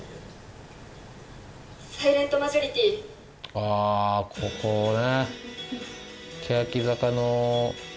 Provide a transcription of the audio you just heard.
あぁここね。